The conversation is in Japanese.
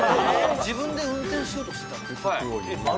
自分で運転しようとしてたんですか？